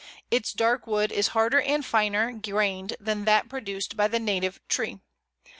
Its dark wood is harder and finer grained than that produced by the native tree.